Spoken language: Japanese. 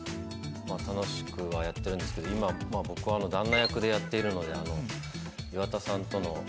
楽しくはやってるんですけど今まあ僕は旦那役でやっているので。